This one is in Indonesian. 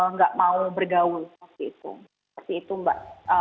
nggak mau bergaul seperti itu mbak